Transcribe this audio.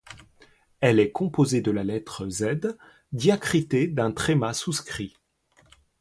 Elle est composée de la lettre Z diacritée d’un tréma souscrit.